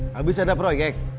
habis ada proyek